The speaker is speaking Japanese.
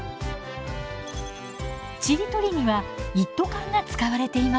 ちりとりには一斗缶が使われていました。